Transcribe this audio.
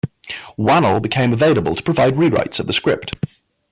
Whannell became available to provide rewrites of the script.